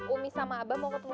umi sama abah mau ketemu